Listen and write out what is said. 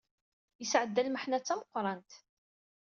Yesɛedda lmeḥna d tameqrant.